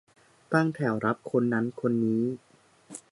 ตั้งแถวรับคนนั้นคนนี้